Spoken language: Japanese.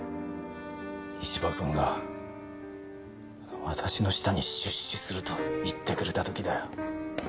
石場君が私の舌に出資すると言ってくれた時だよ。